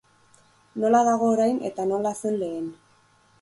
Nola dago orain eta nola zen lehen.